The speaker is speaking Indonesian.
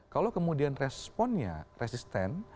kalau kemudian responnya resisten